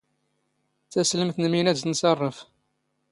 ⵜⴰⵙⵍⵎⵜ ⵏ ⵎⵉⵏⴰⴷ ⵜⵏⵚⴰⵕⵕⴰⴼ.